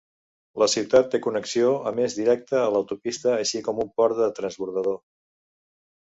La ciutat té connexió a més directa a l'autopista així com un port de transbordador.